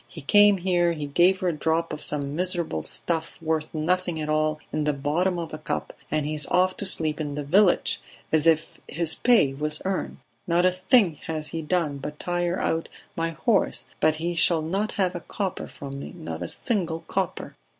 He came here, he gave her a drop of some miserable stuff worth nothing at all in the bottom of a cup, and he is off to sleep in the village as if his pay was earned! Not a thing has he done but tire out my horse, but he shall not have a copper from me, not a single copper..."